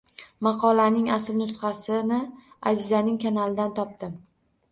Maqolaning asl nusxasini Azizaning kanalidan topdim